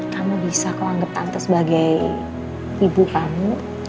kamu bisa kok anggap tante sebagai ibu kamu